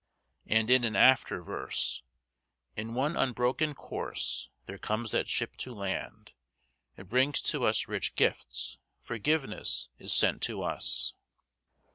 And in an after verse, "In one unbroken course There comes that ship to land, It brings to us rich gifts, Forgiveness is sent to us."